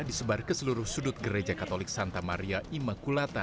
disebar ke seluruh sudut gereja katolik santa maria imakulata